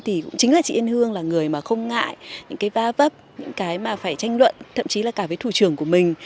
thì cũng chính là chị yên hương là người mà không ngại những cái va vấp những cái mà phải tranh luận thậm chí là cả với thủ trưởng của mình